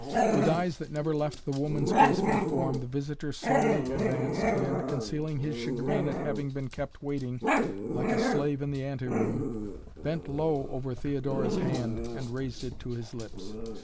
With eyes that never left the woman's graceful form the visitor slowly advanced and, concealing his chagrin at having been kept waiting like a slave in the anteroom, bent low over Theodora's hand and raised it to his lips.